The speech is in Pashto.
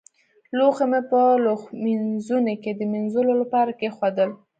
لوښي مې په لوښمینځوني کې د مينځلو لپاره کېښودل.